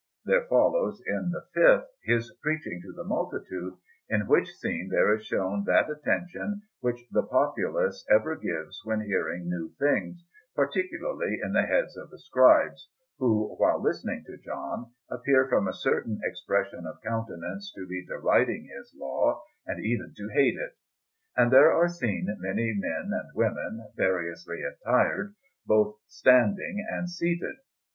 There follows in the fifth his preaching to the multitude, in which scene there is shown that attention which the populace ever gives when hearing new things, particularly in the heads of the Scribes, who, while listening to John, appear from a certain expression of countenance to be deriding his law, and even to hate it; and there are seen many men and women, variously attired, both standing and seated.